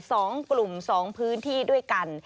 สองกลุ่มสองพื้นที่ด้วยกัน